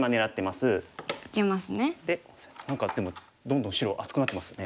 で何かでもどんどん白厚くなってますね。